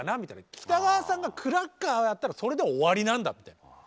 北川さんがクラッカーをやったらそれで終わりなんだって。